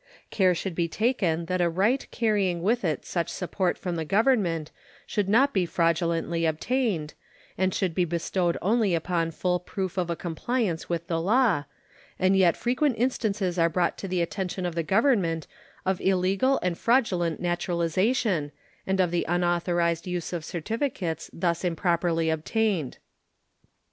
Care should be taken that a right carrying with it such support from the Government should not be fraudulently obtained, and should be bestowed only upon full proof of a compliance with the law; and yet frequent instances are brought to the attention of the Government of illegal and fraudulent naturalization and of the unauthorized use of certificates thus improperly obtained.